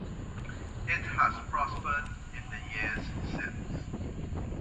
It has prospered in the years since.